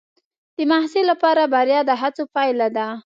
د محصل لپاره بریا د هڅو پایله ده.